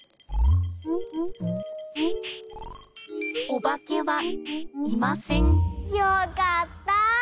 おばけはいませんよかったあ！